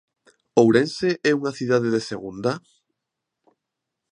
¿Ourense é unha cidade de segunda?